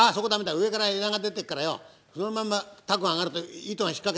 上から枝が出てっからよそのまま凧揚がると糸が引っ掛かる。